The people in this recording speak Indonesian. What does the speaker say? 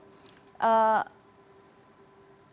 seberapa kuat sih sebenarnya